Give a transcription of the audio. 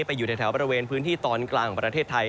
อยู่ในแถวบริเวณพื้นที่ตอนกลางของประเทศไทย